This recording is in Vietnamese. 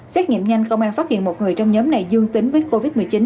xét nghiệm nhanh công an phát hiện một người trong nhóm này dương tính với covid một mươi chín